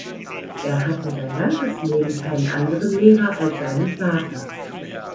Er hatte sein ganzes Leben keinen anderen Lehrer als seinen Vater.